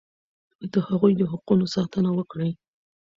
د هغوی د حقوقو ساتنه وکړئ.